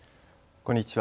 こんにちは。